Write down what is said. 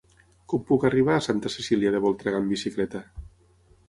Com puc arribar a Santa Cecília de Voltregà amb bicicleta?